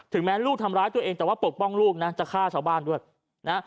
แม้ลูกทำร้ายตัวเองแต่ว่าปกป้องลูกนะจะฆ่าชาวบ้านด้วยนะ